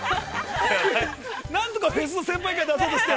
何とかフェスの先輩感、出そうとして。